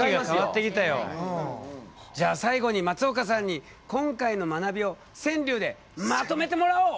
じゃあ最後に松岡さんに今回の学びを川柳でまとめてもらおう。